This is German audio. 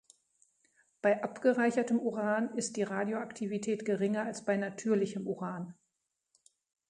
Bei abgereichertem Uran ist die Radioaktivität geringer als bei natürlichem Uran.